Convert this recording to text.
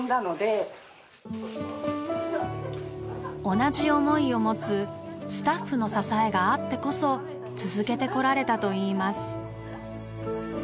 同じ思いを持つスタッフの支えがあってこそ続けてこられたといいます。